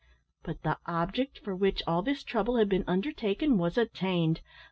But the object for which all this trouble had been undertaken was attained.